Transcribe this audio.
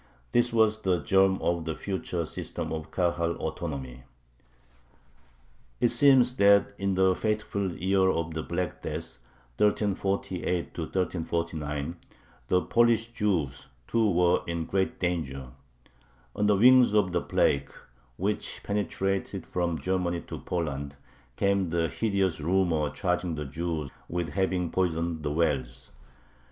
This was the germ of the future system of Kahal autonomy. It seems that in the fateful year of the Black Death (1348 1349) the Polish Jews too were in great danger. On the wings of the plague, which penetrated from Germany to Poland, came the hideous rumor charging the Jews with having poisoned the wells.